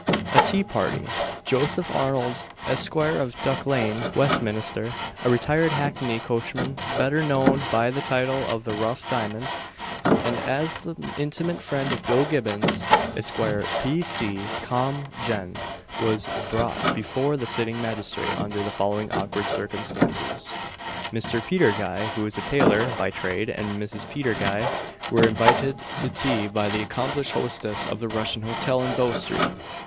A TEA PARTY. Joseph Arnold, Esq., of Duck lane, Westminster, a retired hackney coachman, better known by the title of "the Rough Diamond," and as the intimate friend of Bill Gibbons, Esq. P.C. Com. Gen. was brought before the sitting magistrate under the following awkward circumstances: Mr. Peter Guy, who is a tailor (by trade), and Mrs. Peter Guy, were invited to tea by the accomplished hostess of the Russian Hotel in Bow street.